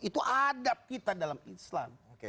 itu adab kita dalam islam